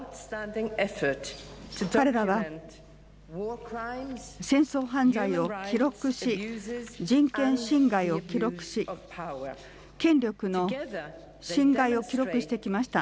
彼らは戦争犯罪を記録し人権侵害を記録し権力の侵害を記録してきました。